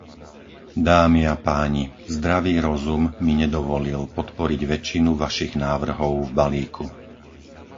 Dámy a páni, zdravý rozum mi nedovolil podporiť väčšinu vašich návrhov v balíku.